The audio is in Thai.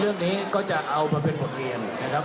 เรื่องนี้ก็จะเอามาเป็นบทเรียนนะครับ